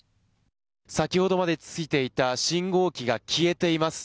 先ほどまでついていた信号機が消えています。